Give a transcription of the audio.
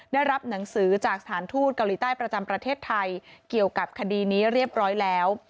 ได้รับหนังสือจากสถานทูตเกาหลีใต้ประจำประเทศไทยเกี่ยวกับคดีนี้เรียบร้อยแล้ว